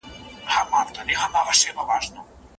د شاګردانو کچه باید د منل سوو اصولو له مخي وټاکل سي.